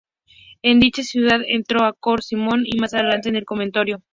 En dicha ciudad entró en Cours Simon y, más adelante, en el Conservatorio.